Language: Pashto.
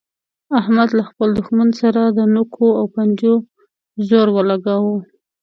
احمد له خپل دوښمن سره د نوکو او پنجو زور ولګاوو.